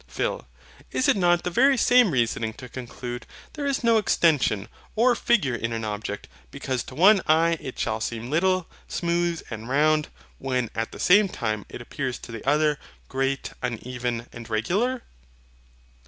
PHIL. Is it not the very same reasoning to conclude, there is no extension or figure in an object, because to one eye it shall seem little, smooth, and round, when at the same time it appears to the other, great, uneven, and regular?